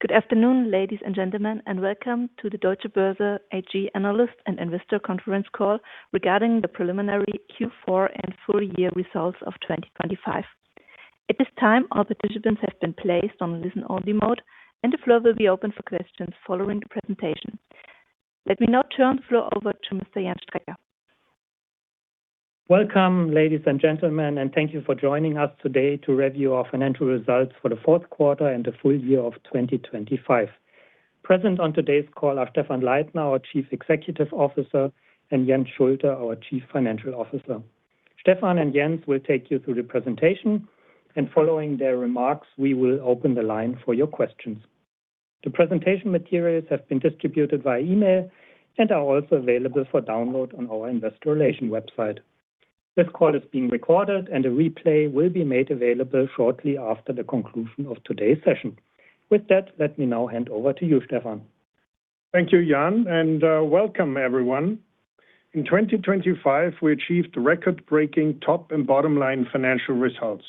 Good afternoon, ladies and gentlemen, and welcome to the Deutsche Börse AG Analyst and Investor Conference Call regarding the preliminary Q4 and full year results of 2025. At this time, all participants have been placed on listen-only mode, and the floor will be open for questions following the presentation. Let me now turn the floor over to Mr. Jan Strecker. Welcome, ladies and gentlemen, and thank you for joining us today to review our financial results for the fourth quarter and the full year of 2025. Present on today's call are Stephan Leithner, our Chief Executive Officer, and Jens Schulte, our Chief Financial Officer. Stephan and Jens will take you through the presentation, and following their remarks, we will open the line for your questions. The presentation materials have been distributed via email and are also available for download on our Investor Relations website. This call is being recorded, and a replay will be made available shortly after the conclusion of today's session. With that, let me now hand over to you, Stephan. Thank you, Jan, and welcome everyone. In 2025, we achieved record-breaking top and bottom-line financial results,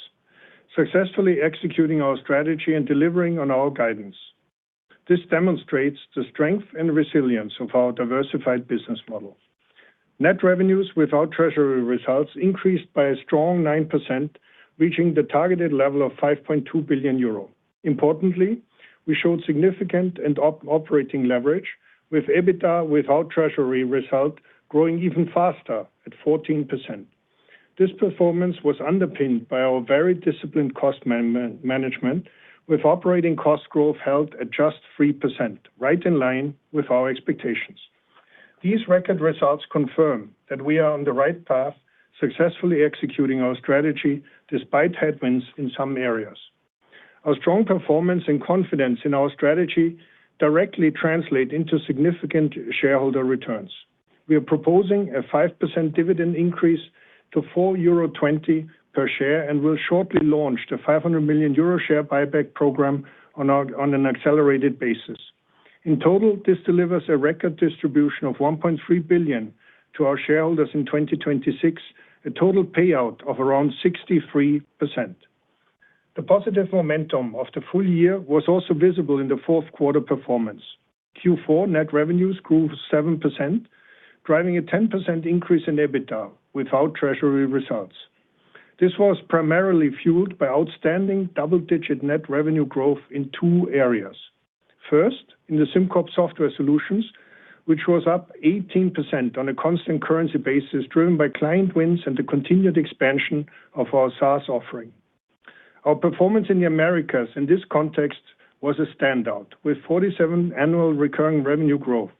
successfully executing our strategy and delivering on our guidance. This demonstrates the strength and resilience of our diversified business model. Net revenues without treasury results increased by a strong 9%, reaching the targeted level of 5.2 billion euro. Importantly, we showed significant and operating leverage, with EBITDA, without treasury result, growing even faster at 14%. This performance was underpinned by our very disciplined cost management, with operating cost growth held at just 3%, right in line with our expectations. These record results confirm that we are on the right path, successfully executing our strategy despite headwinds in some areas. Our strong performance and confidence in our strategy directly translate into significant shareholder returns. We are proposing a 5% dividend increase to 4.20 euro per share, and will shortly launch the 500 million euro share buyback program on an accelerated basis. In total, this delivers a record distribution of 1.3 billion to our shareholders in 2026, a total payout of around 63%. The positive momentum of the full year was also visible in the fourth quarter performance. Q4 net revenues grew 7%, driving a 10% increase in EBITDA without treasury results. This was primarily fueled by outstanding double-digit net revenue growth in two areas. First, in the SimCorp Software Solutions, which was up 18% on a constant currency basis, driven by client wins and the continued expansion of our SaaS offering. Our performance in the Americas in this context was a standout, with 47% annual recurring revenue growth.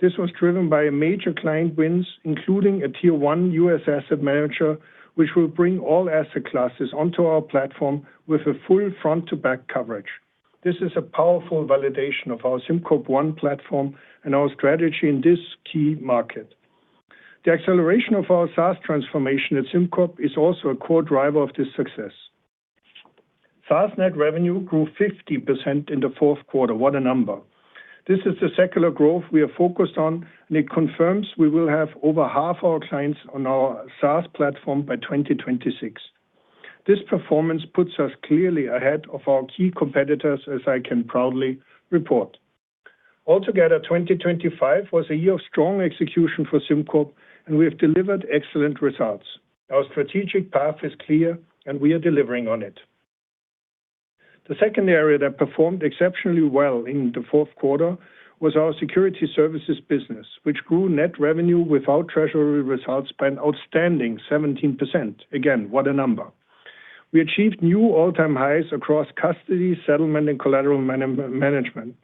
This was driven by a major client wins, including a tier one U.S. asset manager, which will bring all asset classes onto our platform with a full front-to-back coverage. This is a powerful validation of our SimCorp One platform and our strategy in this key market. The acceleration of our SaaS transformation at SimCorp is also a core driver of this success. SaaS net revenue grew 50% in the fourth quarter. What a number! This is the secular growth we are focused on, and it confirms we will have over half our clients on our SaaS platform by 2026. This performance puts us clearly ahead of our key competitors, as I can proudly report. Altogether, 2025 was a year of strong execution for SimCorp, and we have delivered excellent results. Our strategic path is clear, and we are delivering on it. The second area that performed exceptionally well in the fourth quarter was our Securities Services business, which grew net revenue without treasury results by an outstanding 17%. Again, what a number! We achieved new all-time highs across custody, settlement, and collateral management,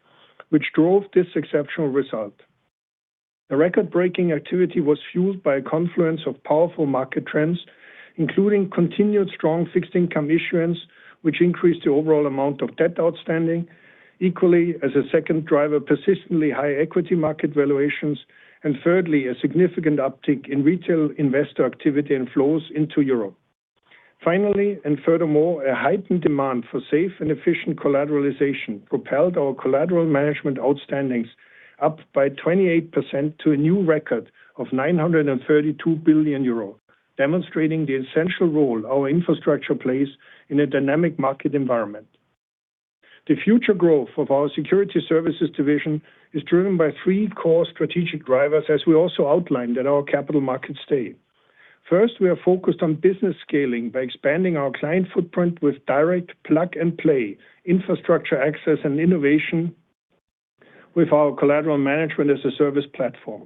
which drove this exceptional result. The record-breaking activity was fueled by a confluence of powerful market trends, including continued strong fixed income issuance, which increased the overall amount of debt outstanding. Equally, as a second driver, persistently high equity market valuations, and thirdly, a significant uptick in retail investor activity and flows into Europe. Finally, and furthermore, a heightened demand for safe and efficient collateralization propelled our collateral management outstandings up by 28% to a new record of 932 billion euro, demonstrating the essential role our infrastructure plays in a dynamic market environment. The future growth of our securities services division is driven by three core strategic drivers, as we also outlined at our Capital Markets Day. First, we are focused on business scaling by expanding our client footprint with direct plug-and-play infrastructure access and innovation with our collateral management as a service platform.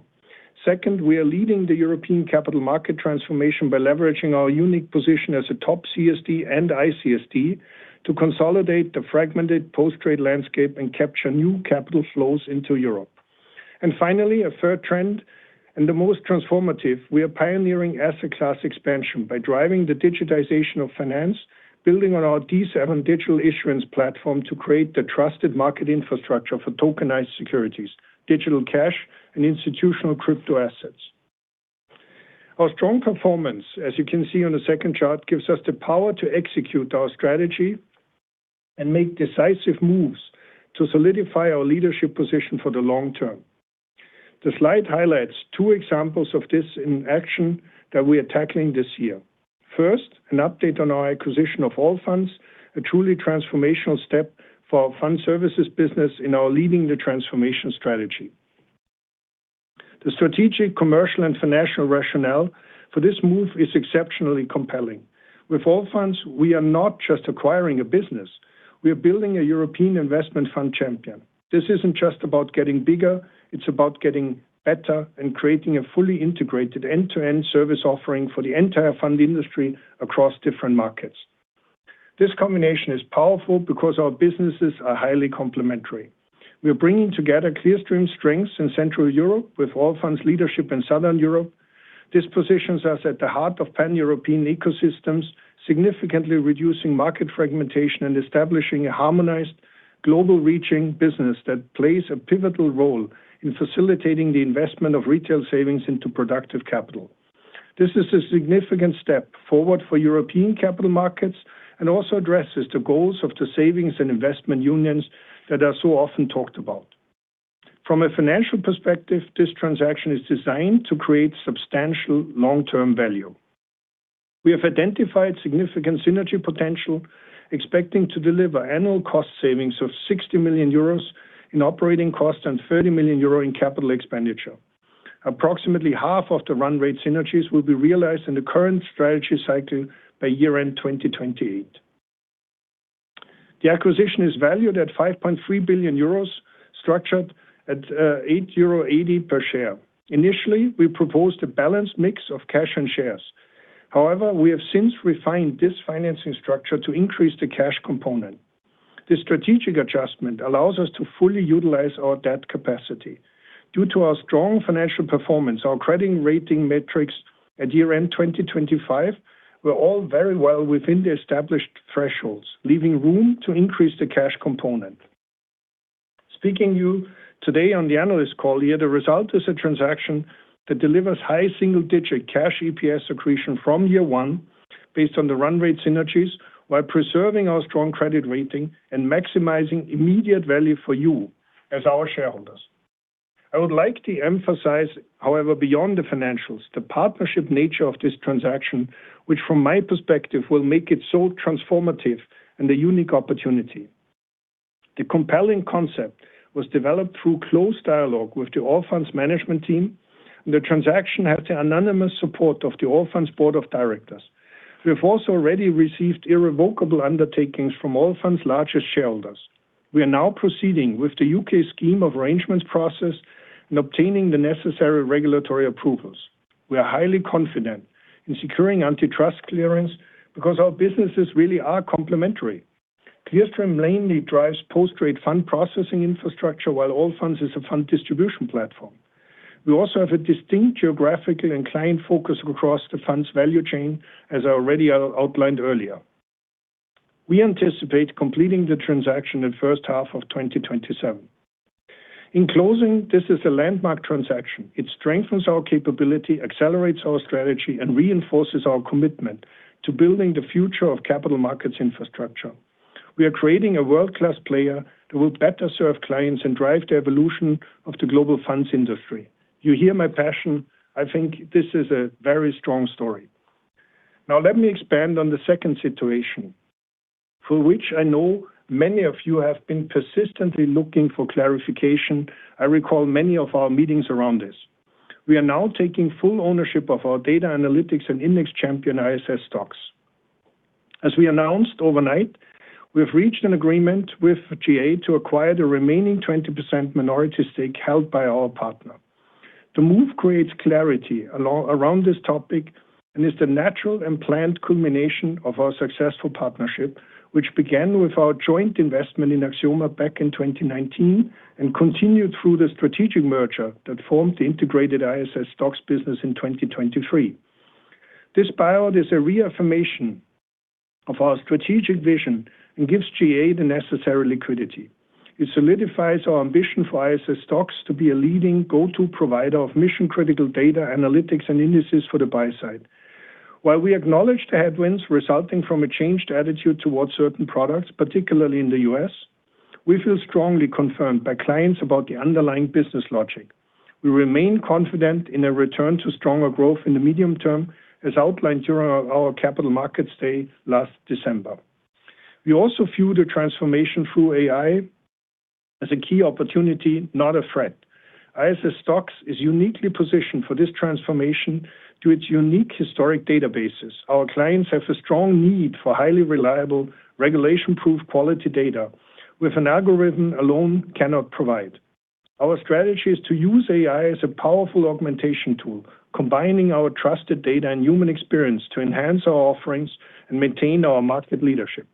Second, we are leading the European capital market transformation by leveraging our unique position as a top CSD and ICSD to consolidate the fragmented post-trade landscape and capture new capital flows into Europe. And finally, a third trend, and the most transformative, we are pioneering asset class expansion by driving the digitization of finance, building on our D7 digital issuance platform to create the trusted market infrastructure for tokenized securities, digital cash, and institutional crypto assets. Our strong performance, as you can see on the second chart, gives us the power to execute our strategy and make decisive moves to solidify our leadership position for the long term. The slide highlights two examples of this in action that we are tackling this year. First, an update on our acquisition of Allfunds, a truly transformational step for our Fund Services business in our Leading the Transformation strategy. The strategic, commercial, and financial rationale for this move is exceptionally compelling. With Allfunds, we are not just acquiring a business, we are building a European investment fund champion. This isn't just about getting bigger, it's about getting better and creating a fully integrated end-to-end service offering for the entire fund industry across different markets. This combination is powerful because our businesses are highly complementary. We are bringing together Clearstream's strengths in Central Europe with Allfunds' leadership in Southern Europe. This positions us at the heart of Pan-European ecosystems, significantly reducing market fragmentation and establishing a harmonized, global-reaching business that plays a pivotal role in facilitating the investment of retail savings into productive capital. This is a significant step forward for European capital markets and also addresses the goals of the savings and investment unions that are so often talked about. From a financial perspective, this transaction is designed to create substantial long-term value. We have identified significant synergy potential, expecting to deliver annual cost savings of 60 million euros in operating costs and 30 million euro in capital expenditure. Approximately half of the run rate synergies will be realized in the current strategy cycle by year-end 2028. The acquisition is valued at 5.3 billion euros, structured at, 8.80 euro per share. Initially, we proposed a balanced mix of cash and shares. However, we have since refined this financing structure to increase the cash component. This strategic adjustment allows us to fully utilize our debt capacity. Due to our strong financial performance, our credit rating metrics at year-end 2025 were all very well within the established thresholds, leaving room to increase the cash component. Speaking to you today on the analyst call here, the result is a transaction that delivers high single-digit cash EPS accretion from year one, based on the run rate synergies, while preserving our strong credit rating and maximizing immediate value for you as our shareholders. I would like to emphasize, however, beyond the financials, the partnership nature of this transaction, which, from my perspective, will make it so transformative and a unique opportunity. The compelling concept was developed through close dialogue with the Allfunds management team, and the transaction has the unanimous support of the Allfunds board of directors. We have also already received irrevocable undertakings from Allfunds' largest shareholders. We are now proceeding with the U.K. Scheme of Arrangement process and obtaining the necessary regulatory approvals. We are highly confident in securing antitrust clearance because our businesses really are complementary. Clearstream mainly drives post-trade fund processing infrastructure, while Allfunds is a fund distribution platform. We also have a distinct geographical and client focus across the funds value chain, as I already outlined earlier. We anticipate completing the transaction in first half of 2027. In closing, this is a landmark transaction. It strengthens our capability, accelerates our strategy, and reinforces our commitment to building the future of capital markets infrastructure. We are creating a world-class player that will better serve clients and drive the evolution of the global funds industry. You hear my passion. I think this is a very strong story. Now, let me expand on the second situation, for which I know many of you have been persistently looking for clarification. I recall many of our meetings around this. We are now taking full ownership of our data analytics and index champion, ISS STOXX. As we announced overnight, we have reached an agreement with GA to acquire the remaining 20% minority stake held by our partner. The move creates clarity around this topic and is the natural and planned culmination of our successful partnership, which began with our joint investment in Axioma back in 2019, and continued through the strategic merger that formed the integrated ISS STOXX business in 2023. This buyout is a reaffirmation of our strategic vision and gives GA the necessary liquidity. It solidifies our ambition for ISS STOXX to be a leading go-to provider of mission-critical data, analytics, and indices for the buy side. While we acknowledge the headwinds resulting from a changed attitude towards certain products, particularly in the U.S., we feel strongly confirmed by clients about the underlying business logic. We remain confident in a return to stronger growth in the medium term, as outlined during our Capital Markets Day last December. We also view the transformation through AI as a key opportunity, not a threat. ISS STOXX is uniquely positioned for this transformation due to its unique historic databases. Our clients have a strong need for highly reliable, regulation-proof quality data, which an algorithm alone cannot provide. Our strategy is to use AI as a powerful augmentation tool, combining our trusted data and human experience to enhance our offerings and maintain our market leadership.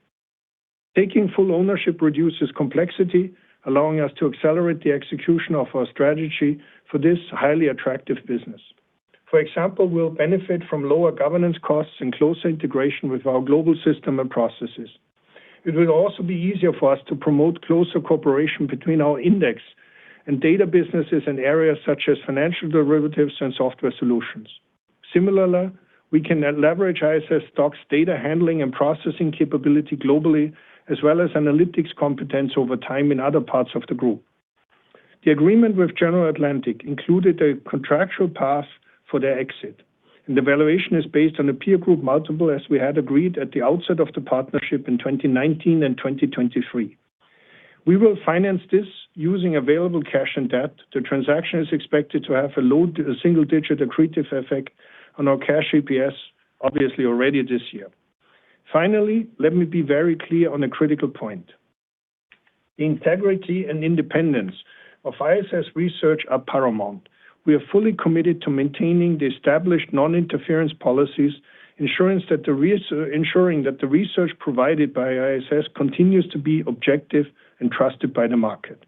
Taking full ownership reduces complexity, allowing us to accelerate the execution of our strategy for this highly attractive business. For example, we'll benefit from lower governance costs and closer integration with our global system and processes. It will also be easier for us to promote closer cooperation between our index and data businesses in areas such as financial derivatives and software solutions. Similarly, we can leverage ISS STOXX, data handling, and processing capability globally, as well as analytics competence over time in other parts of the group. The agreement with General Atlantic included a contractual path for their exit, and the valuation is based on a peer group multiple, as we had agreed at the outset of the partnership in 2019 and 2023. We will finance this using available cash and debt. The transaction is expected to have a low- to single-digit accretive effect on our cash EPS, obviously already this year. Finally, let me be very clear on a critical point. The integrity and independence of ISS Research are paramount. We are fully committed to maintaining the established non-interference policies, ensuring that the research provided by ISS continues to be objective and trusted by the market.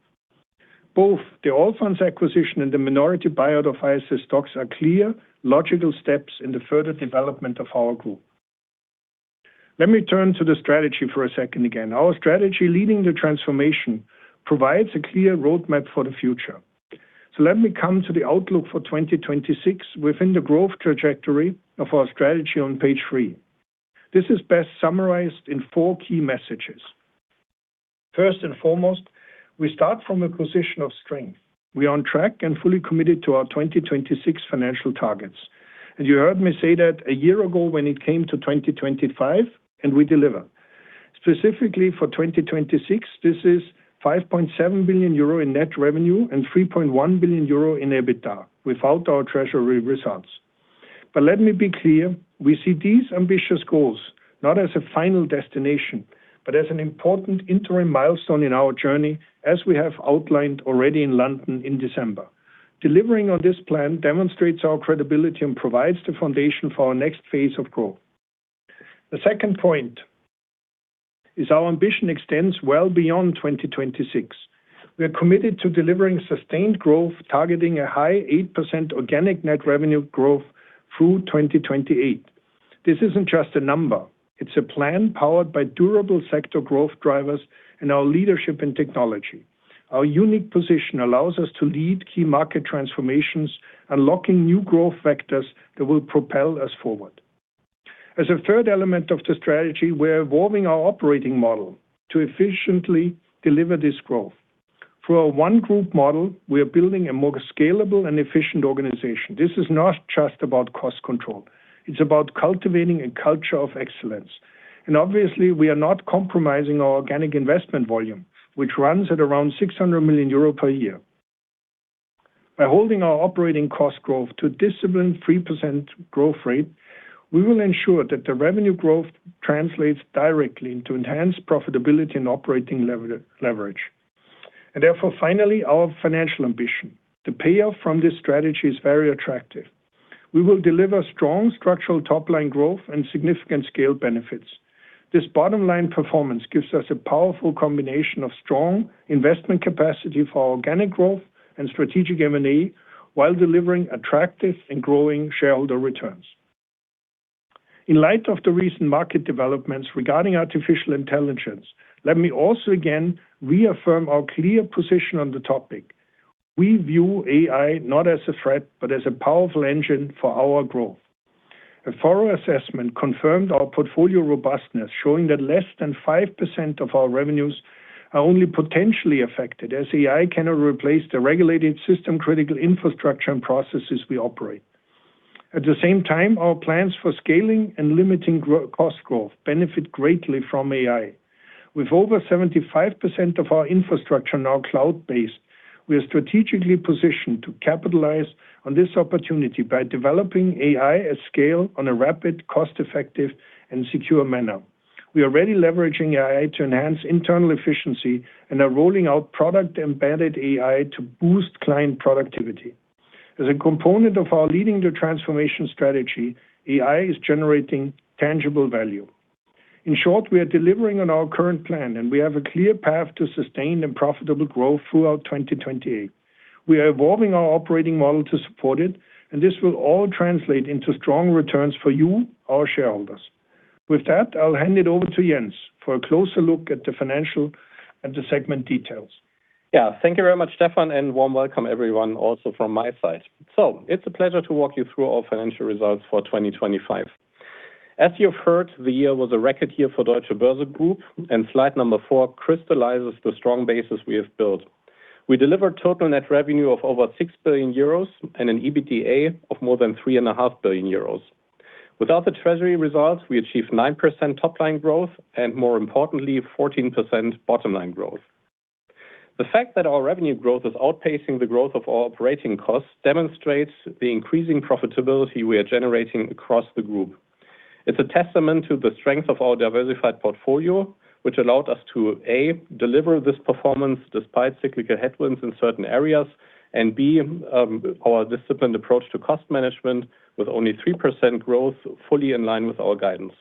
Both the Allfunds acquisition and the minority buyout of ISS STOXX are clear, logical steps in the further development of our group. Let me turn to the strategy for a second again. Our strategy, Leading the Transformation, provides a clear roadmap for the future. So let me come to the outlook for 2026 within the growth trajectory of our strategy on page three. This is best summarized in four key messages. First and foremost, we start from a position of strength. We are on track and fully committed to our 2026 financial targets, and you heard me say that a year ago when it came to 2025, and we delivered. Specifically for 2026, this is 5.7 billion euro in net revenue and 3.1 billion euro in EBITDA, without our treasury results. But let me be clear, we see these ambitious goals not as a final destination, but as an important interim milestone in our journey, as we have outlined already in London in December. Delivering on this plan demonstrates our credibility and provides the foundation for our next phase of growth. The second point is our ambition extends well beyond 2026. We are committed to delivering sustained growth, targeting a high 8% organic net revenue growth through 2028. This isn't just a number; it's a plan powered by durable sector growth drivers and our leadership and technology. Our unique position allows us to lead key market transformations, unlocking new growth vectors that will propel us forward. As a third element of the strategy, we're evolving our operating model to efficiently deliver this growth. Through our One Group model, we are building a more scalable and efficient organization. This is not just about cost control; it's about cultivating a culture of excellence. Obviously, we are not compromising our organic investment volume, which runs at around 600 million euro per year. By holding our operating cost growth to a disciplined 3% growth rate, we will ensure that the revenue growth translates directly into enhanced profitability and operating lever-leverage. And therefore, finally, our financial ambition. The payoff from this strategy is very attractive. We will deliver strong structural top-line growth and significant scale benefits. This bottom-line performance gives us a powerful combination of strong investment capacity for organic growth and strategic M&A, while delivering attractive and growing shareholder returns. In light of the recent market developments regarding artificial intelligence, let me also again reaffirm our clear position on the topic. We view AI not as a threat, but as a powerful engine for our growth. A thorough assessment confirmed our portfolio robustness, showing that less than 5% of our revenues are only potentially affected, as AI cannot replace the regulated system, critical infrastructure, and processes we operate. At the same time, our plans for scaling and limiting cost growth benefit greatly from AI. With over 75% of our infrastructure now cloud-based, we are strategically positioned to capitalize on this opportunity by developing AI at scale in a rapid, cost-effective, and secure manner. We are already leveraging AI to enhance internal efficiency and are rolling out product-embedded AI to boost client productivity. As a component of our Leading the Transformation strategy, AI is generating tangible value. In short, we are delivering on our current plan, and we have a clear path to sustained and profitable growth throughout 2028. We are evolving our operating model to support it, and this will all translate into strong returns for you, our shareholders. With that, I'll hand it over to Jens for a closer look at the financial and the segment details. Yeah. Thank you very much, Stephan, and warm welcome, everyone, also from my side. So it's a pleasure to walk you through our financial results for 2025. As you've heard, the year was a record year for Deutsche Börse Group, and slide four crystallizes the strong basis we have built. We delivered total net revenue of over 6 billion euros and an EBITDA of more than 3.5 billion euros. Without the treasury results, we achieved 9% top-line growth and, more importantly, 14% bottom-line growth. The fact that our revenue growth is outpacing the growth of our operating costs demonstrates the increasing profitability we are generating across the group. It's a testament to the strength of our diversified portfolio, which allowed us to, A, deliver this performance despite cyclical headwinds in certain areas, and, B, our disciplined approach to cost management, with only 3% growth fully in line with our guidance.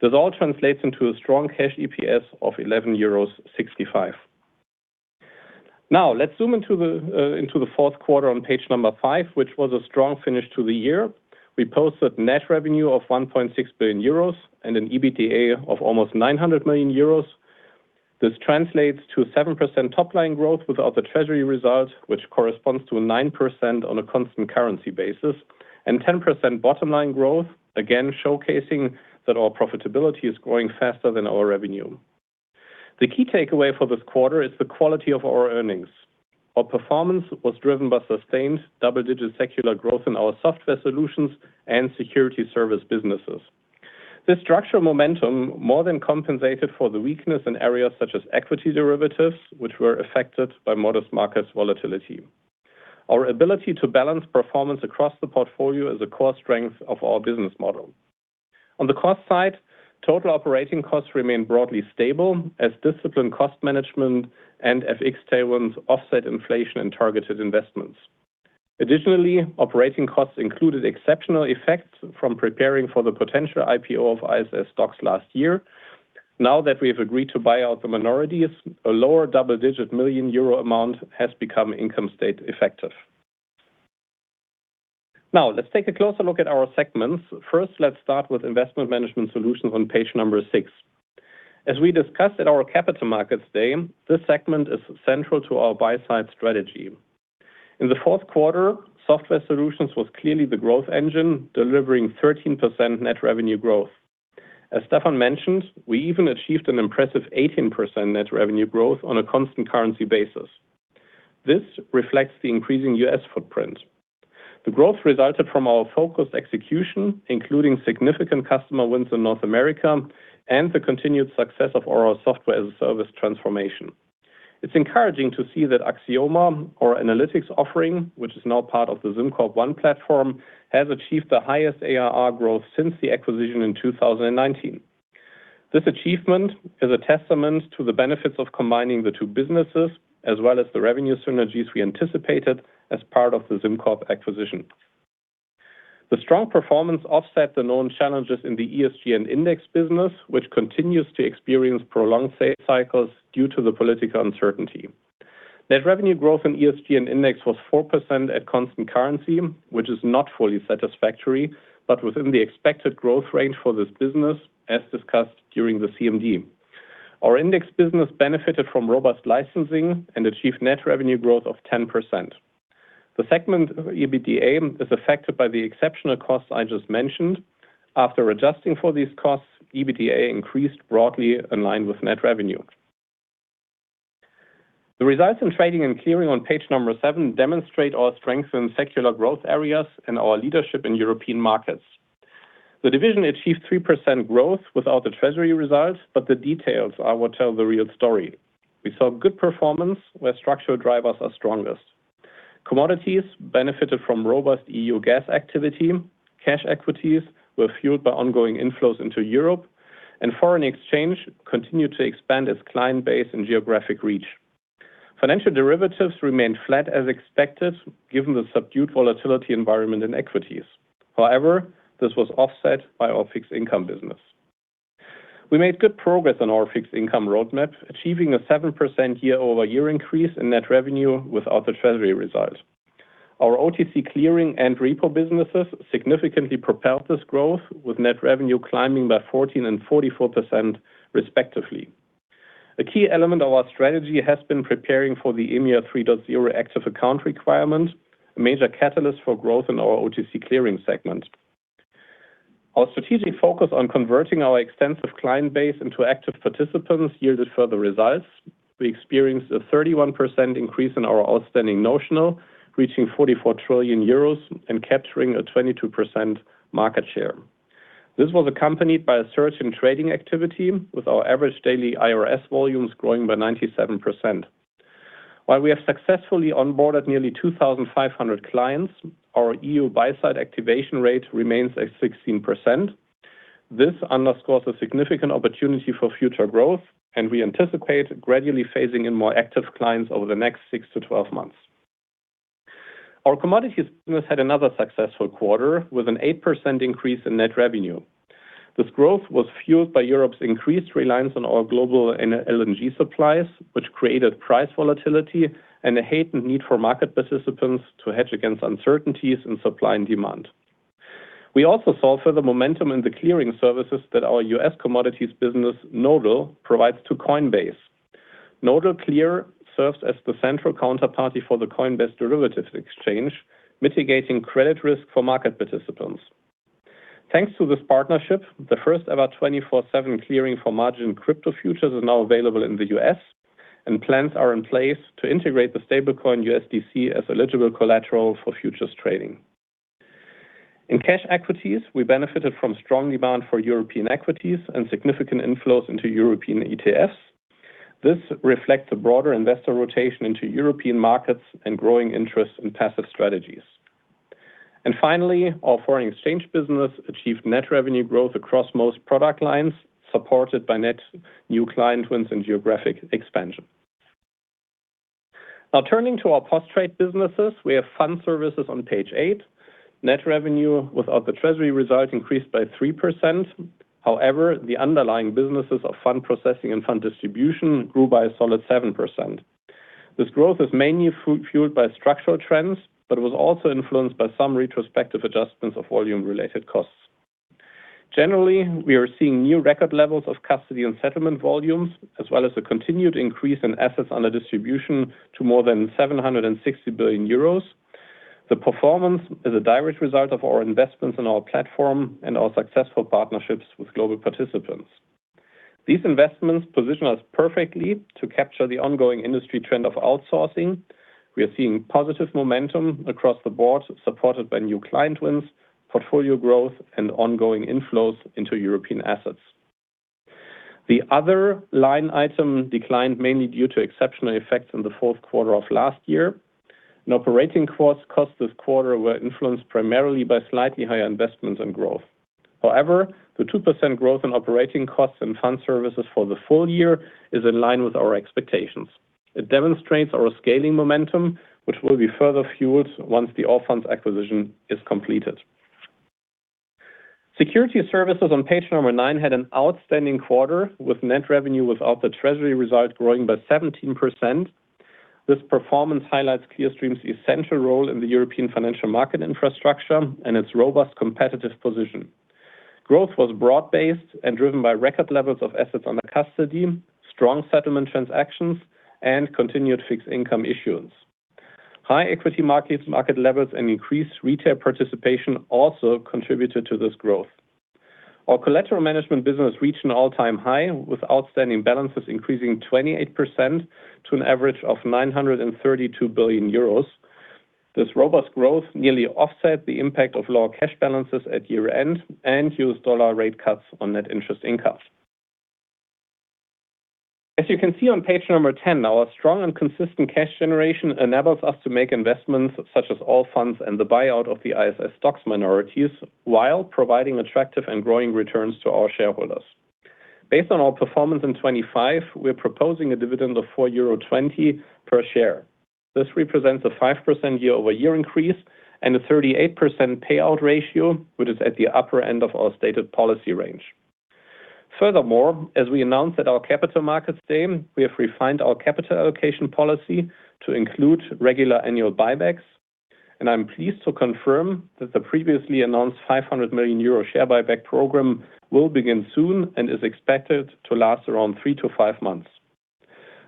This all translates into a strong cash EPS of 11.65 euros. Now, let's zoom into the fourth quarter on page five, which was a strong finish to the year. We posted net revenue of 1.6 billion euros and an EBITDA of almost 900 million euros. This translates to a 7% top line growth without the treasury results, which corresponds to a 9% on a constant currency basis, and 10% bottom line growth, again, showcasing that our profitability is growing faster than our revenue. The key takeaway for this quarter is the quality of our earnings. Our performance was driven by sustained double-digit secular growth in our software solutions and securities services businesses. This structural momentum more than compensated for the weakness in areas such as equity derivatives, which were affected by modest market volatility. Our ability to balance performance across the portfolio is a core strength of our business model. On the cost side, total operating costs remained broadly stable as disciplined cost management and FX tailwinds offset inflation and targeted investments. Additionally, operating costs included exceptional effects from preparing for the potential IPO of ISS STOXX last year. Now that we have agreed to buy out the minorities, a lower double-digit million euro amount has become income statement effective. Now, let's take a closer look at our segments. First, let's start with Investment Management Solutions on page six. As we discussed at our Capital Markets Day, this segment is central to our buy-side strategy. In the fourth quarter, software solutions was clearly the growth engine, delivering 13% net revenue growth. As Stephan mentioned, we even achieved an impressive 18% net revenue growth on a constant currency basis. This reflects the increasing U.S. footprint. The growth resulted from our focused execution, including significant customer wins in North America and the continued success of our SaaS transformation. It's encouraging to see that Axioma, our analytics offering, which is now part of the SimCorp One platform, has achieved the highest ARR growth since the acquisition in 2019. This achievement is a testament to the benefits of combining the two businesses, as well as the revenue synergies we anticipated as part of the SimCorp acquisition. The strong performance offset the known challenges in the ESG and index business, which continues to experience prolonged sales cycles due to the political uncertainty. Net revenue growth in ESG and index was 4% at constant currency, which is not fully satisfactory, but within the expected growth range for this business, as discussed during the CMD. Our index business benefited from robust licensing and achieved net revenue growth of 10%. The segment EBITDA is affected by the exceptional costs I just mentioned. After adjusting for these costs, EBITDA increased broadly in line with net revenue. The results in Trading & Clearing on page seven demonstrate our strength in secular growth areas and our leadership in European markets. The division achieved 3% growth without the treasury results, but the details are what tell the real story. We saw good performance where structural drivers are strongest. Commodities benefited from robust EU gas activity, cash equities were fueled by ongoing inflows into Europe, and foreign exchange continued to expand its client base and geographic reach. Financial derivatives remained flat as expected, given the subdued volatility environment in equities. However, this was offset by our fixed income business. We made good progress on our fixed income roadmap, achieving a 7% year-over-year increase in net revenue without the treasury result. Our OTC clearing and repo businesses significantly propelled this growth, with net revenue climbing by 14% and 44% respectively. A key element of our strategy has been preparing for the EMIR 3.0 active account requirement, a major catalyst for growth in our OTC clearing segment. Our strategic focus on converting our extensive client base into active participants yielded further results. We experienced a 31% increase in our outstanding notional, reaching 44 trillion euros and capturing a 22% market share. This was accompanied by a surge in trading activity, with our average daily IRS volumes growing by 97%. While we have successfully onboarded nearly 2,500 clients, our EU buy-side activation rate remains at 16%. This underscores a significant opportunity for future growth, and we anticipate gradually phasing in more active clients over the next 6-12 months. Our commodities business had another successful quarter, with an 8% increase in net revenue. This growth was fueled by Europe's increased reliance on our global Nodal LNG supplies, which created price volatility and a heightened need for market participants to hedge against uncertainties in supply and demand. We also saw further momentum in the clearing services that our US commodities business, Nodal, provides to Coinbase. Nodal Clear serves as the central counterparty for the Coinbase Derivatives Exchange, mitigating credit risk for market participants. Thanks to this partnership, the first-ever 24/7 clearing for margin crypto futures is now available in the US, and plans are in place to integrate the stablecoin USDC as eligible collateral for futures trading. In cash equities, we benefited from strong demand for European equities and significant inflows into European ETFs. This reflects the broader investor rotation into European markets and growing interest in passive strategies. And finally, our foreign exchange business achieved net revenue growth across most product lines, supported by net new client wins and geographic expansion. Now turning to our post-trade businesses, we have Fund Services on page eight. Net revenue without the treasury result increased by 3%. However, the underlying businesses of fund processing and fund distribution grew by a solid 7%. This growth is mainly fueled by structural trends, but it was also influenced by some retrospective adjustments of volume-related costs. Generally, we are seeing new record levels of custody and settlement volumes, as well as a continued increase in assets under distribution to more than 760 billion euros. The performance is a direct result of our investments in our platform and our successful partnerships with global participants. These investments position us perfectly to capture the ongoing industry trend of outsourcing. We are seeing positive momentum across the board, supported by new client wins, portfolio growth, and ongoing inflows into European assets. The other line item declined mainly due to exceptional effects in the fourth quarter of last year, and operating costs this quarter were influenced primarily by slightly higher investments and growth. However, the 2% growth in operating costs and Fund Services for the full year is in line with our expectations. It demonstrates our scaling momentum, which will be further fueled once the Allfunds acquisition is completed. Securities Services on page number nine had an outstanding quarter, with net revenue without the treasury result growing by 17%. This performance highlights Clearstream's essential role in the European financial market infrastructure and its robust competitive position. Growth was broad-based and driven by record levels of assets under custody, strong settlement transactions, and continued fixed income issuance. High equity markets, market levels, and increased retail participation also contributed to this growth. Our collateral management business reached an all-time high, with outstanding balances increasing 28% to an average of 932 billion euros. This robust growth nearly offset the impact of lower cash balances at year-end and U.S. dollar rate cuts on net interest income. As you can see on page 10, our strong and consistent cash generation enables us to make investments such as Allfunds and the buyout of the ISS STOXX minorities, while providing attractive and growing returns to our shareholders. Based on our performance in 2025, we're proposing a dividend of 4.20 euro per share. This represents a 5% year-over-year increase and a 38% payout ratio, which is at the upper end of our stated policy range. Furthermore, as we announced at our Capital Markets Day, we have refined our capital allocation policy to include regular annual buybacks, and I'm pleased to confirm that the previously announced 500 million euro share buyback program will begin soon and is expected to last around three to five months.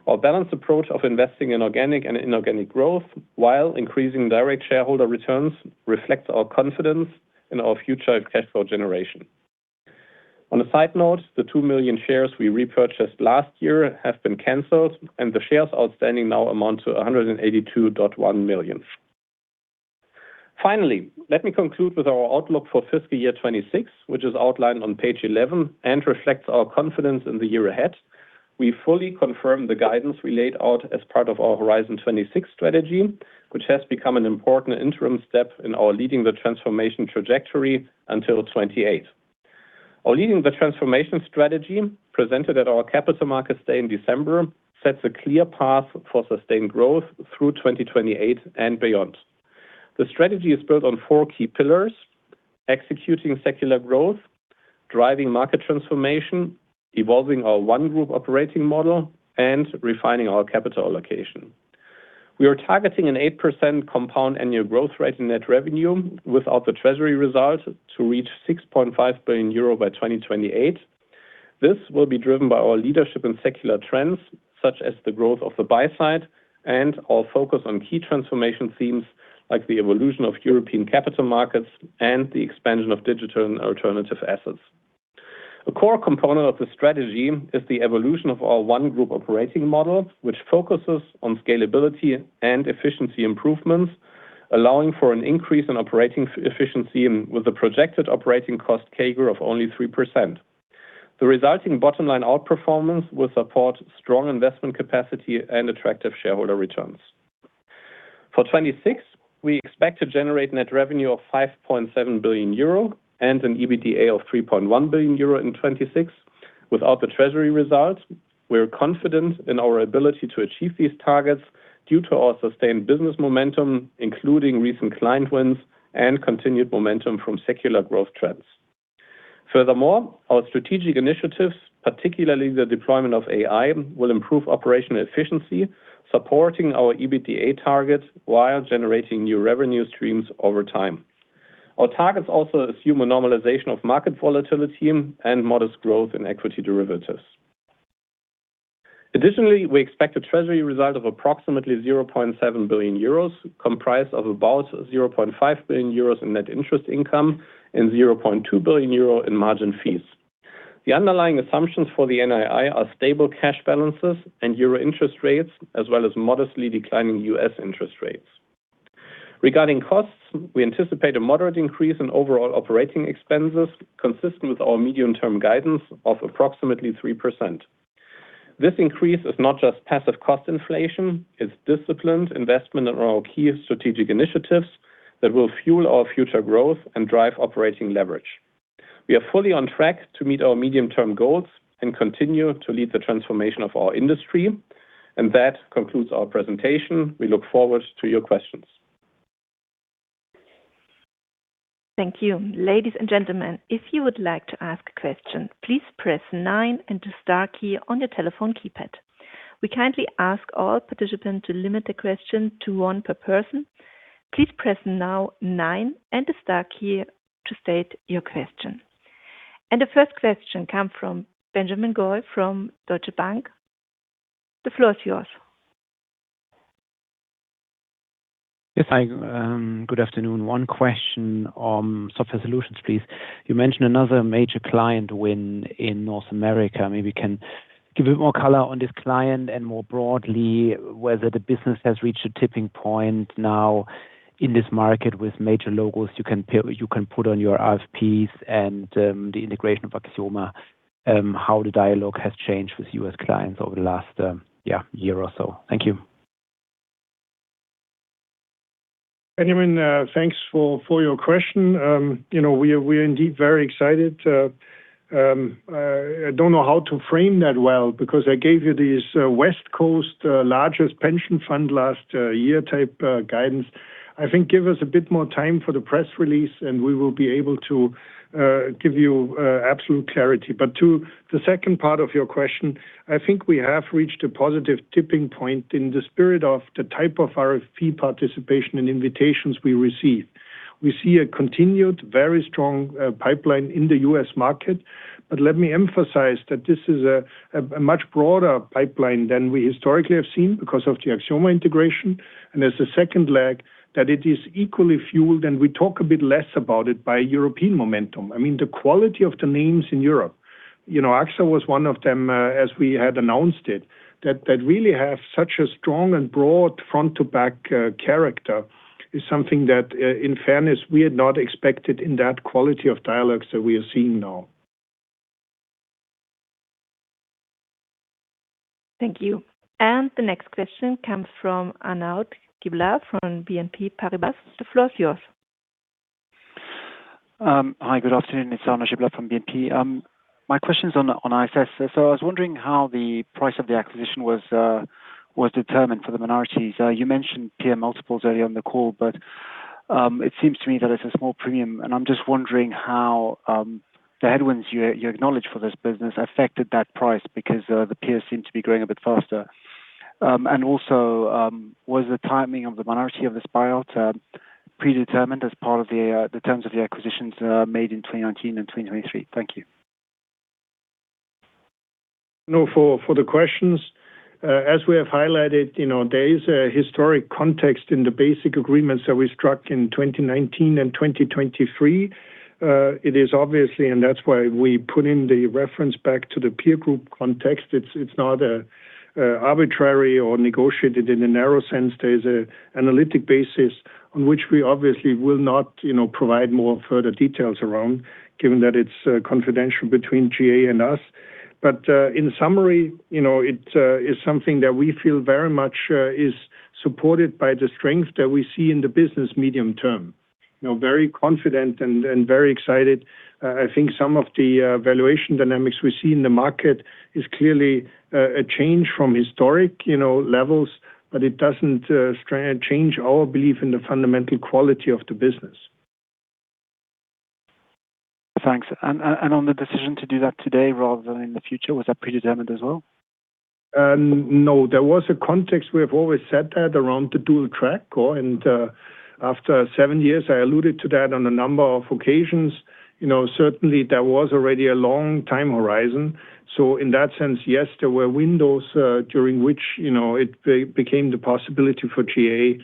Our balanced approach of investing in organic and inorganic growth while increasing direct shareholder returns reflects our confidence in our future cash flow generation. On a side note, the 2 million shares we repurchased last year have been canceled, and the shares outstanding now amount to 182.1 million. Finally, let me conclude with our outlook for fiscal year 2026, which is outlined on page 11 and reflects our confidence in the year ahead. We fully confirm the guidance we laid out as part of our Horizon 26 strategy, which has become an important interim step in our Leading the Transformation trajectory until 2028. Our Leading the Transformation strategy, presented at our Capital Markets Day in December, sets a clear path for sustained growth through 2028 and beyond. The strategy is built on four key pillars: executing secular growth, driving market transformation, evolving our One Group operating model, and refining our capital allocation. We are targeting an 8% compound annual growth rate in net revenue without the treasury result to reach 6.5 billion euro by 2028. This will be driven by our leadership in secular trends, such as the growth of the buy side and our focus on key transformation themes like the evolution of European capital markets and the expansion of digital and alternative assets. A core component of the strategy is the evolution of our One Group operating model, which focuses on scalability and efficiency improvements, allowing for an increase in operating efficiency and with a projected operating cost CAGR of only 3%. The resulting bottom-line outperformance will support strong investment capacity and attractive shareholder returns. For 2026, we expect to generate net revenue of 5.7 billion euro and an EBITDA of 3.1 billion euro in 2026. Without the treasury results, we are confident in our ability to achieve these targets due to our sustained business momentum, including recent client wins and continued momentum from secular growth trends. Furthermore, our strategic initiatives, particularly the deployment of AI, will improve operational efficiency, supporting our EBITDA target while generating new revenue streams over time. Our targets also assume a normalization of market volatility and modest growth in equity derivatives. Additionally, we expect a treasury result of approximately 0.7 billion euros, comprised of about 0.5 billion euros in net interest income and 0.2 billion euro in margin fees. The underlying assumptions for the NII are stable cash balances and euro interest rates, as well as modestly declining U.S. interest rates. Regarding costs, we anticipate a moderate increase in overall operating expenses consistent with our medium-term guidance of approximately 3%. This increase is not just passive cost inflation. It's disciplined investment in our key strategic initiatives that will fuel our future growth and drive operating leverage. We are fully on track to meet our medium-term goals and continue to lead the transformation of our industry. That concludes our presentation. We look forward to your questions. Thank you. Ladies and gentlemen, if you would like to ask a question, please press nine and the star key on your telephone keypad. We kindly ask all participants to limit the question to one per person. Please press now nine and the star key to state your question. And the first question come from Benjamin Goy from Deutsche Bank. The floor is yours. Yes, hi. Good afternoon. One question on software solutions, please. You mentioned another major client win in North America. Maybe you can give a bit more color on this client and more broadly, whether the business has reached a tipping point now in this market with major logos you can put on your RFPs and the integration of Axioma, how the dialogue has changed with U.S. clients over the last, yeah, year or so? Thank you. Benjamin, thanks for your question. You know, we are indeed very excited to, I don't know how to frame that well because I gave you this West Coast largest pension fund last year type guidance. I think give us a bit more time for the press release, and we will be able to give you absolute clarity. But to the second part of your question, I think we have reached a positive tipping point in the spirit of the type of RFP participation and invitations we receive. We see a continued very strong pipeline in the US market, but let me emphasize that this is a much broader pipeline than we historically have seen because of the Axioma integration. There's a second leg that it is equally fueled, and we talk a bit less about it, by European momentum. I mean, the quality of the names in Europe, you know, AXA was one of them, as we had announced it, that really have such a strong and broad front-to-back character, is something that, in fairness, we had not expected in that quality of dialogues that we are seeing now. Thank you. And the next question comes from Arnaud Giblat from BNP Paribas. The floor is yours. Hi. Good afternoon. It's Arnaud Giblat from BNP. My question's on ISS. So I was wondering how the price of the acquisition was, was determined for the minorities. You mentioned peer multiples earlier on the call, but it seems to me that it's a small premium, and I'm just wondering how the headwinds you acknowledged for this business affected that price because the peers seem to be growing a bit faster. And also, was the timing of the minority of this buyout predetermined as part of the terms of the acquisitions made in 2019 and 2023? Thank you. No, for the questions. As we have highlighted, you know, there is a historic context in the basic agreements that we struck in 2019 and 2023. It is obviously, and that's why we put in the reference back to the peer group context. It's not a arbitrary or negotiated in a narrow sense. There's an analytical basis on which we obviously will not, you know, provide more further details around, given that it's confidential between GA and us. But in summary, you know, it is something that we feel very much is supported by the strength that we see in the business medium term. You know, very confident and very excited. I think some of the valuation dynamics we see in the market is clearly a change from historic, you know, levels, but it doesn't change our belief in the fundamental quality of the business. Thanks. And on the decision to do that today rather than in the future, was that predetermined as well? No, there was a context. We have always said that around the dual track, and after seven years, I alluded to that on a number of occasions. You know, certainly, there was already a long time horizon. So in that sense, yes, there were windows during which, you know, it became the possibility for GA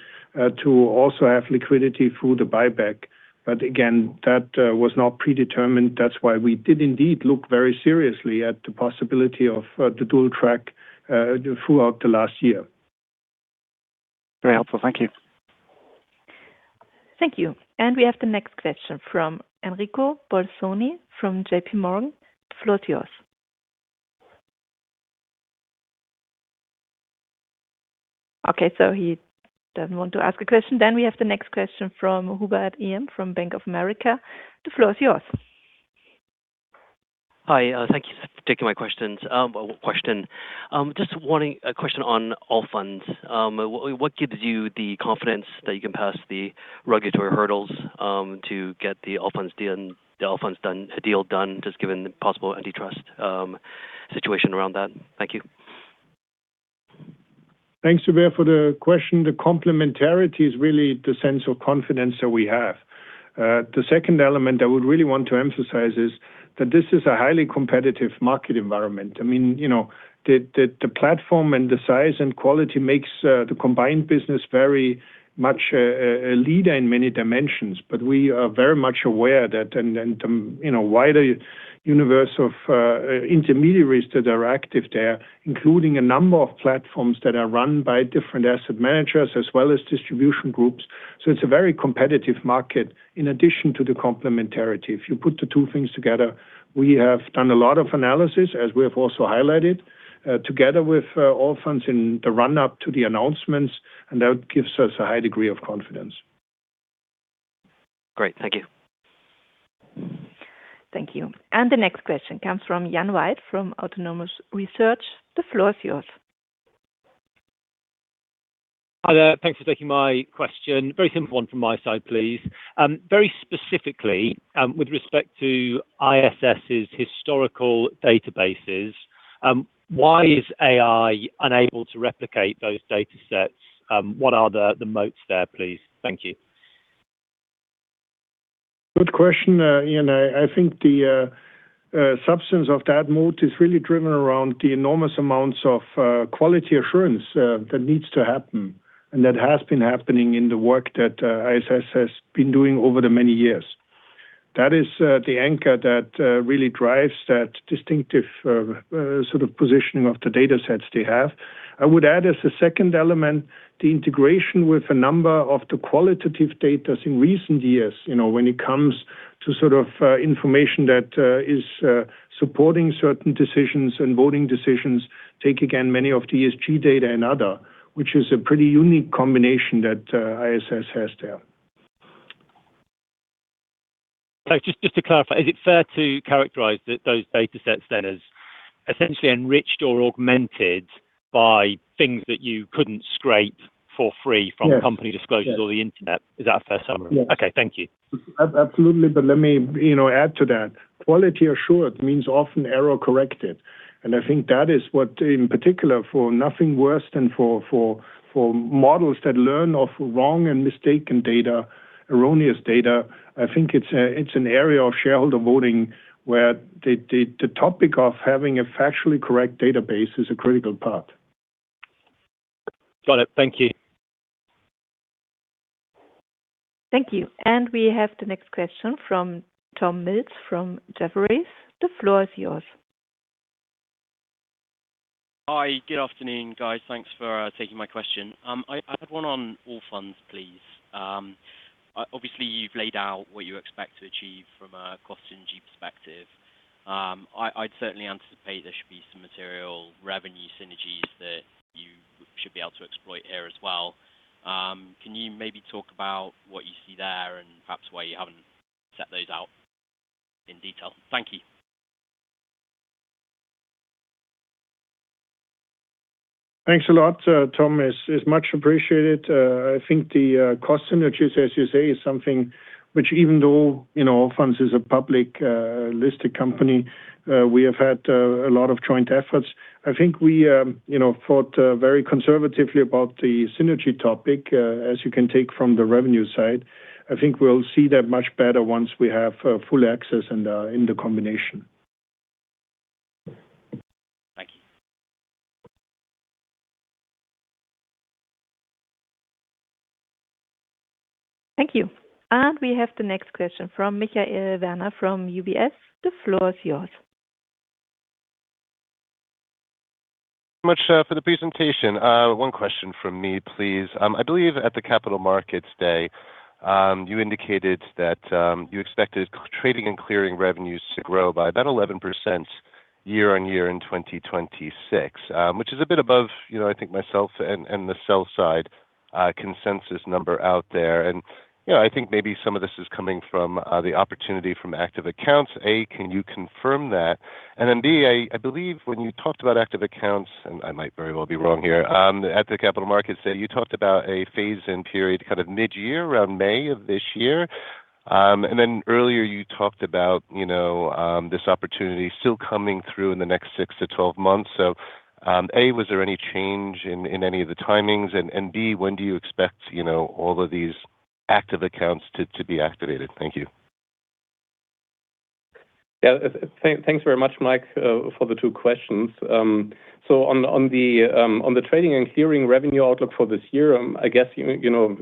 to also have liquidity through the buyback. But again, that was not predetermined. That's why we did indeed look very seriously at the possibility of the dual track throughout the last year. Very helpful. Thank you. Thank you. We have the next question from Enrico Bolzoni, from JPMorgan. The floor is yours. Okay, so he doesn't want to ask a question. We have the next question from Hubert Lam from Bank of America. The floor is yours. Hi, thank you for taking my questions. One question. Just wanting a question on Allfunds. What gives you the confidence that you can pass the regulatory hurdles to get the Allfunds deal done, just given the possible antitrust situation around that? Thank you. Thanks, Hubert, for the question. The complementarity is really the sense of confidence that we have. The second element I would really want to emphasize is that this is a highly competitive market environment. I mean, you know, the platform and the size and quality makes the combined business very much a leader in many dimensions. But we are very much aware that and then, you know, wider universe of intermediaries that are active there, including a number of platforms that are run by different asset managers as well as distribution groups. So it's a very competitive market in addition to the complementarity. If you put the two things together, we have done a lot of analysis, as we have also highlighted, together with Allfunds in the run-up to the announcements, and that gives us a high degree of confidence. Great. Thank you. Thank you. The next question comes from Ian White, from Autonomous Research. The floor is yours.... Hi there. Thanks for taking my question. Very simple one from my side, please. Very specifically, with respect to ISS's historical databases, why is AI unable to replicate those datasets? What are the moats there, please? Thank you. Good question, Ian. I think the substance of that moat is really driven around the enormous amounts of quality assurance that needs to happen, and that has been happening in the work that ISS has been doing over the many years. That is the anchor that really drives that distinctive sort of positioning of the datasets they have. I would add as a second element, the integration with a number of the qualitative data in recent years, you know, when it comes to sort of information that is supporting certain decisions and voting decisions, take again, many of the ESG data and other, which is a pretty unique combination that ISS has there. Just, just to clarify, is it fair to characterize that those datasets then as essentially enriched or augmented by things that you couldn't scrape for free? Yes. from company disclosures or the internet? Is that a fair summary? Yes. Okay, thank you. Absolutely, but let me, you know, add to that. Quality assured means often error corrected, and I think that is what, in particular, for nothing worse than for models that learn of wrong and mistaken data, erroneous data. I think it's an area of shareholder voting where the topic of having a factually correct database is a critical part. Got it. Thank you. Thank you. We have the next question from Tom Mills from Jefferies. The floor is yours. Hi. Good afternoon, guys. Thanks for taking my question. I have one on Allfunds, please. Obviously, you've laid out what you expect to achieve from a cost synergy perspective. I'd certainly anticipate there should be some material revenue synergies that you should be able to exploit here as well. Can you maybe talk about what you see there and perhaps why you haven't set those out in detail? Thank you. Thanks a lot, Tom. It's, it's much appreciated. I think the cost synergies, as you say, is something which even though, you know, Allfunds is a public listed company, we have had a lot of joint efforts. I think we, you know, thought very conservatively about the synergy topic, as you can take from the revenue side. I think we'll see that much better once we have full access in the, in the combination. Thank you. Thank you. We have the next question from Michael Werner from UBS. The floor is yours. you very much for the presentation. One question from me, please. I believe at the Capital Markets Day, you indicated that you expected Trading & Clearing revenues to grow by about 11% year-on-year in 2026, which is a bit above, you know, I think, myself and the sell-side consensus number out there. You know, I think maybe some of this is coming from the opportunity from active accounts. A, can you confirm that? Then, B, I believe when you talked about active accounts, and I might very well be wrong here, at the Capital Markets Day, you talked about a phase-in period, kind of mid-year, around May of this year. Then earlier, you talked about, you know, this opportunity still coming through in the next 6-12 months. So, A, was there any change in any of the timings? And B, when do you expect, you know, all of these active accounts to be activated? Thank you. Yeah. Thanks very much, Mike, for the two questions. So on the Trading & Clearing revenue outlook for this year, I guess, you know,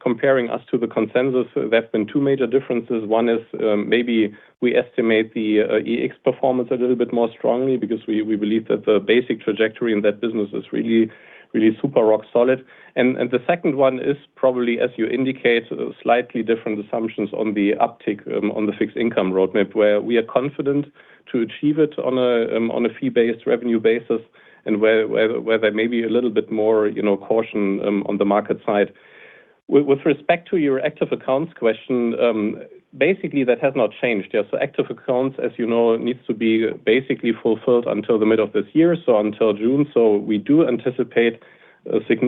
comparing us to the consensus, there have been two major differences. One is, maybe we estimate the Eurex performance a little bit more strongly because we believe that the basic trajectory in that business is really, really super rock solid. And the second one is probably, as you indicate, slightly different assumptions on the uptick on the fixed income roadmap, where we are confident to achieve it on a fee-based revenue basis, and where there may be a little bit more, you know, caution on the market side. With respect to your active accounts question, basically, that has not changed. Yeah, so active accounts, as you know, needs to be basically fulfilled until the middle of this year, so until June. So we do anticipate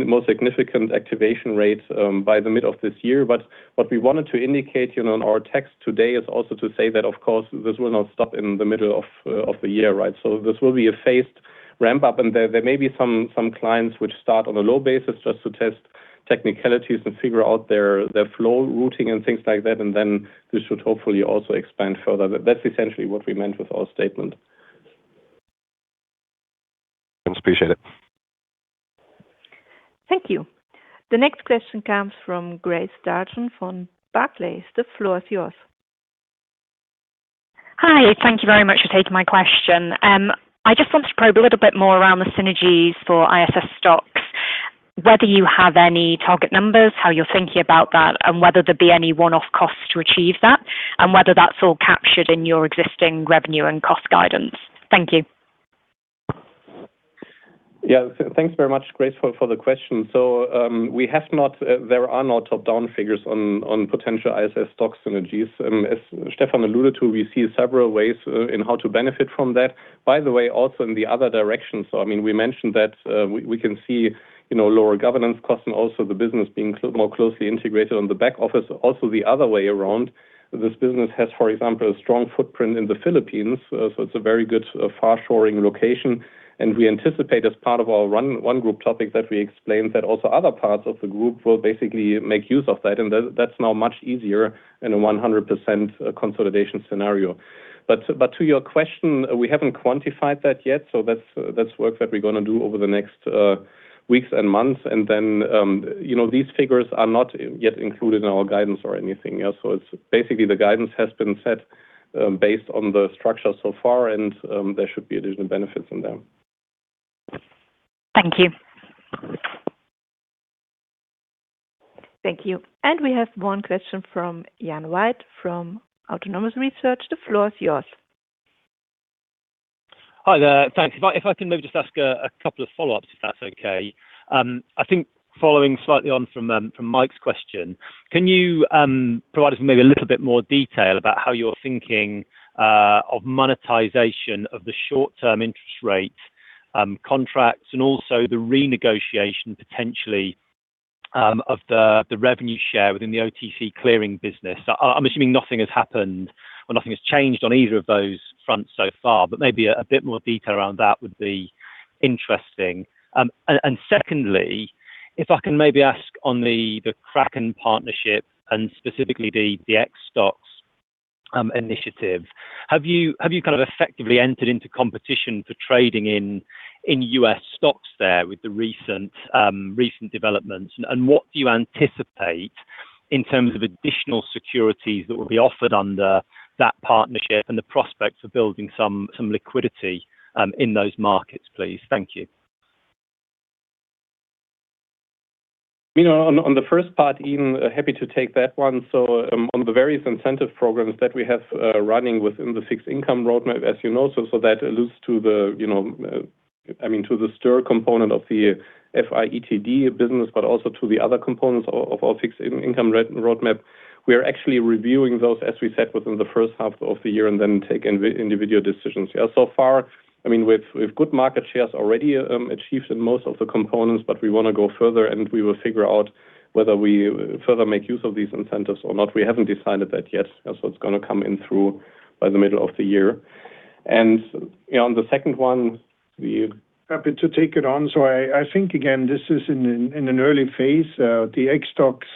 more significant activation rates by the middle of this year. But what we wanted to indicate, you know, in our text today is also to say that, of course, this will not stop in the middle of the year, right? So this will be a phased ramp-up, and there may be some clients which start on a low basis just to test technicalities and figure out their flow routing and things like that, and then this should hopefully also expand further. That's essentially what we meant with our statement. Thanks, appreciate it. Thank you. The next question comes from Grace Dargan from Barclays. The floor is yours. Hi, thank you very much for taking my question. I just want to probe a little bit more around the synergies for ISS STOXX. Whether you have any target numbers, how you're thinking about that, and whether there'd be any one-off costs to achieve that, and whether that's all captured in your existing revenue and cost guidance. Thank you.... Yeah, so thanks very much, Grace, for the question. So, we have not, there are no top-down figures on potential ISS STOXX synergies. As Stephan alluded to, we see several ways in how to benefit from that. By the way, also in the other direction, so I mean, we mentioned that we can see, you know, lower governance costs, and also the business being more closely integrated on the back office. Also, the other way around, this business has, for example, a strong footprint in the Philippines, so it's a very good far shoring location. And we anticipate as part of our one group topic, that we explained that also other parts of the group will basically make use of that, and that's now much easier in a 100% consolidation scenario. But to your question, we haven't quantified that yet, so that's work that we're gonna do over the next weeks and months. And then, you know, these figures are not yet included in our guidance or anything else. So it's basically the guidance has been set based on the structure so far, and there should be additional benefits in them. Thank you. Thank you. We have one question from Ian White, from Autonomous Research. The floor is yours. Hi there. Thanks. If I can maybe just ask a couple of follow-ups, if that's okay? I think following slightly on from Mike's question, can you provide us with maybe a little bit more detail about how you're thinking of monetization of the short-term interest rate contracts, and also the renegotiation, potentially, of the revenue share within the OTC clearing business? I'm assuming nothing has happened, or nothing has changed on either of those fronts so far, but maybe a bit more detail around that would be interesting. And secondly, if I can maybe ask on the Kraken partnership and specifically the U.S. stocks initiative, have you kind of effectively entered into competition for trading in U.S. stocks there with the recent developments? What do you anticipate in terms of additional securities that will be offered under that partnership and the prospects of building some liquidity in those markets, please? Thank you. You know, on the first part, Ian, happy to take that one. So, on the various incentive programs that we have running within the fixed income roadmap, as you know, so that alludes to the, you know, I mean, to the STIR component of the FI & ETD business, but also to the other components of our fixed income roadmap. We are actually reviewing those, as we said, within the first half of the year, and then take individual decisions. Yeah, so far, I mean, we've good market shares already achieved in most of the components, but we want to go further, and we will figure out whether we further make use of these incentives or not. We haven't decided that yet, and so it's gonna come in through by the middle of the year. And, you know, on the second one, we- Happy to take it on. So I, I think, again, this is in an early phase. The U.S. stocks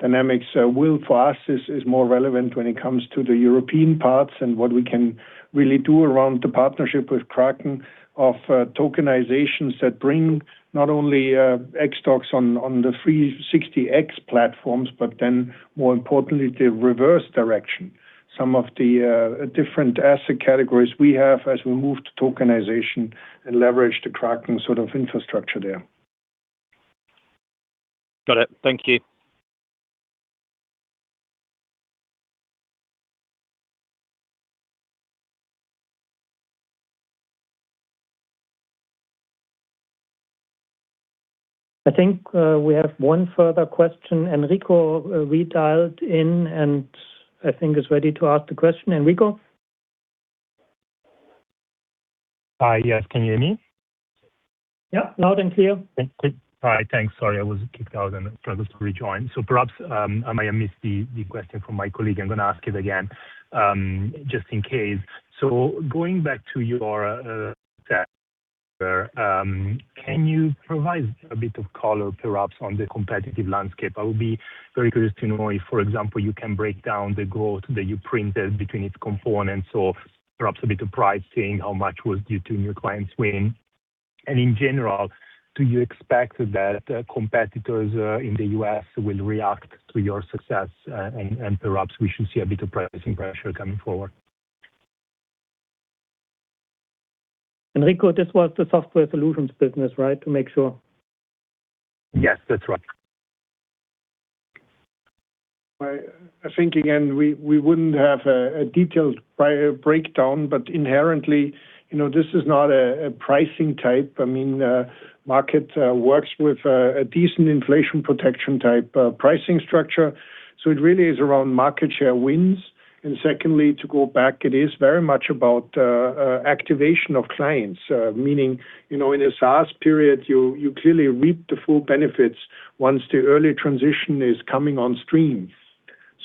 dynamics will for us is more relevant when it comes to the European parts and what we can really do around the partnership with Kraken of tokenizations that bring not only U.S. stocks on the Eurex platforms, but then more importantly, the reverse direction. Some of the different asset categories we have as we move to tokenization and leverage the Kraken sort of infrastructure there. Got it. Thank you. I think, we have one further question. Enrico, re-dialed in, and I think is ready to ask the question. Enrico? Hi. Yes, can you hear me? Yeah, loud and clear. Thanks. Good. All right, thanks. Sorry, I was kicked out and struggled to rejoin. So perhaps I may have missed the question from my colleague. I'm gonna ask it again, just in case. So going back to your can you provide a bit of color perhaps on the competitive landscape? I would be very curious to know if, for example, you can break down the growth that you printed between its components or perhaps a bit of pricing, saying how much was due to new clients winning. And in general, do you expect that competitors in the U.S. will react to your success, and perhaps we should see a bit of pricing pressure coming forward? Enrico, this was the software solutions business, right? To make sure. Yes, that's right. I think, again, we wouldn't have a detailed price breakdown, but inherently, you know, this is not a pricing type. I mean, the market works with a decent inflation protection type pricing structure, so it really is around market share wins. And secondly, to go back, it is very much about activation of clients. Meaning, you know, in a SaaS period, you clearly reap the full benefits once the early transition is coming on stream.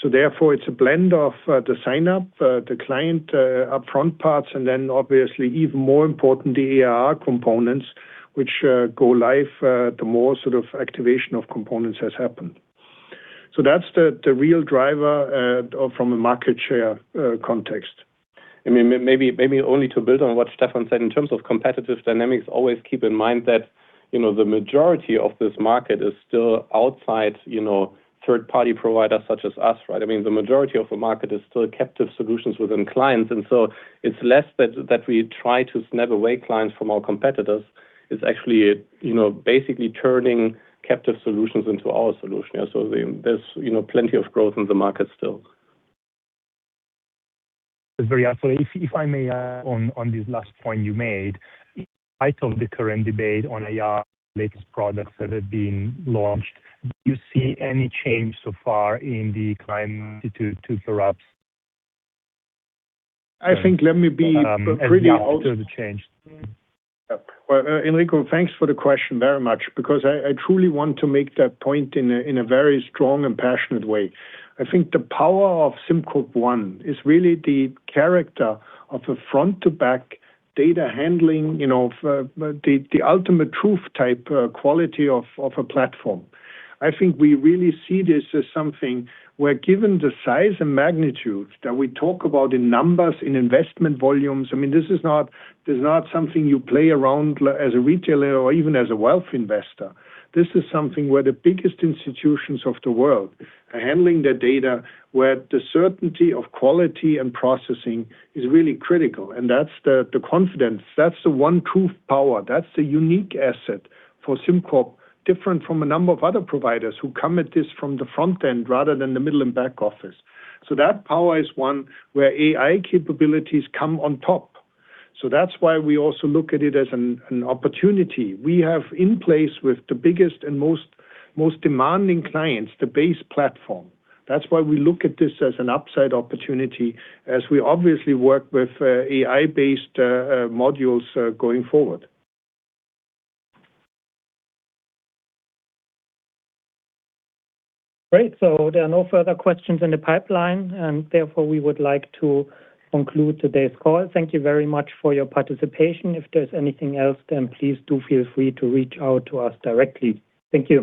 So therefore, it's a blend of the sign-up, the client upfront parts, and then obviously, even more important, the ARR components, which go live the more sort of activation of components has happened. So that's the real driver from a market share context. I mean, maybe only to build on what Stephan said, in terms of competitive dynamics, always keep in mind that, you know, the majority of this market is still outside, you know, third-party providers such as us, right? I mean, the majority of the market is still captive solutions within clients, and so it's less that, that we try to snap away clients from our competitors. It's actually, you know, basically turning captive solutions into our solution. So there's, you know, plenty of growth in the market still. Very, actually, if I may, on this last point you made, in light of the current debate on AI latest products that have been launched, do you see any change so far in the climate to adopt? I think, let me be pretty To the change. Well, Enrico, thanks for the question very much, because I truly want to make that point in a very strong and passionate way. I think the power of SimCorp One is really the character of a front to back data handling, you know, for the ultimate truth type quality of a platform. I think we really see this as something where given the size and magnitude that we talk about in numbers, in investment volumes, I mean, this is not something you play around as a retailer or even as a wealth investor. This is something where the biggest institutions of the world are handling their data, where the certainty of quality and processing is really critical, and that's the confidence, that's the one truth power, that's the unique asset for SimCorp, different from a number of other providers who come at this from the front end rather than the middle and back office. So that power is one where AI capabilities come on top. So that's why we also look at it as an opportunity. We have in place with the biggest and most demanding clients, the base platform. That's why we look at this as an upside opportunity, as we obviously work with AI-based modules going forward. Great. So there are no further questions in the pipeline, and therefore we would like to conclude today's call. Thank you very much for your participation. If there's anything else, then please do feel free to reach out to us directly. Thank you.